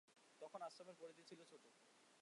তখন আশ্রমের পরিধি ছিল ছোটো।